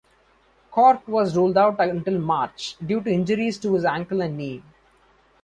Cort was ruled out until March due to injuries to his ankle and knee.